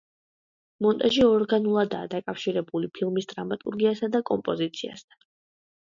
მონტაჟი ორგანულადაა დაკავშირებული ფილმის დრამატურგიასა და კომპოზიციასთან.